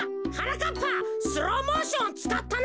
かっぱスローモーションをつかったな！